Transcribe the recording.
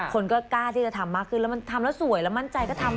คนก็กล้าที่จะทำมากขึ้นแล้วมันทำแล้วสวยแล้วมั่นใจก็ทำ